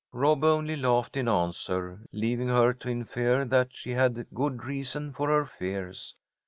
Rob only laughed in answer, leaving her to infer that she had good reason for her fears.